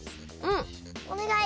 おねがい！